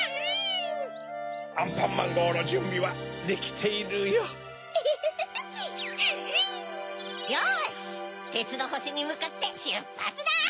てつのほしにむかってしゅっぱつだ！